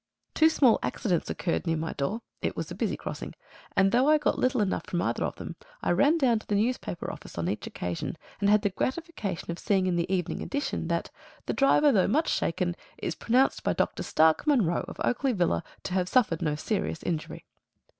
Two small accidents occurred near my door (it was a busy crossing), and though I got little enough from either of them, I ran down to the newspaper office on each occasion, and had the gratification of seeing in the evening edition that "the driver, though much shaken, is pronounced by Dr. Stark Munro, of Oakley Villa, to have suffered no serious injury."